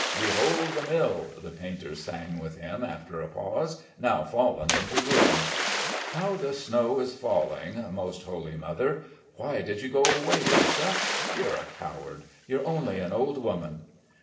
"'Behold the mill,' the painter sang with him after a pause, 'Now fallen into ruin.' How the snow is falling, most Holy Mother. Why did you go away, Grisha? You're a coward; you're only an old woman."